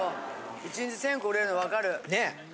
１日１０００個売れるの分かる。ねぇ。